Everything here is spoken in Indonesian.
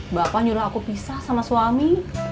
bapak nyuruh aku pisah sama suami